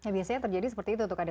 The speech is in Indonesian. biasanya terjadi seperti itu